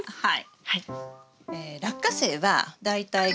はい。